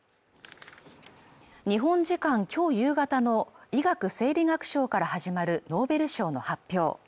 日本時間きょう夕方の医学生理学賞から始まるノーベル賞の発表